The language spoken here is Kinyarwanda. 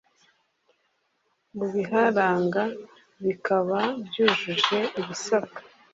mu bibaranga bikaba byujuje ibisabwa